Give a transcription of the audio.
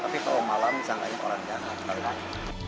tapi kalau malam misalnya orang jalan kalau malam